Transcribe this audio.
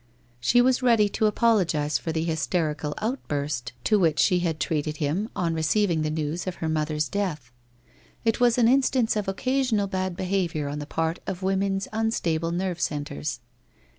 She was ready to apologize for the hysterical outburst to which 232 WHITE ROSE OF WEARY LEAF she had treated him on receiving the news of her mother's death. It was an instance of occasional bad behaviour on the part of women's unstable nerve centres.